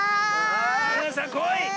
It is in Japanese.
さあこい！